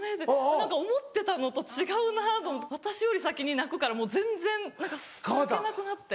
何か思ってたのと違うなと私より先に泣くからもう全然泣けなくなって。